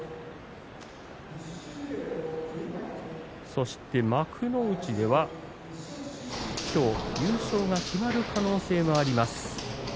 そして幕内では今日優勝が決まる可能性があります。